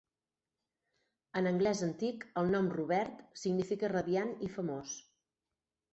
En anglès antic, el nom "Robert" significa 'radiant' i 'famós'.